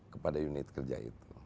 kepada unit kerja itu